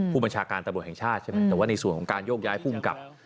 ผู้บัญชาการตำรวจแห่งชาติใช่ไหมแต่ว่าในส่วนของการโยกย้ายภูมิกับ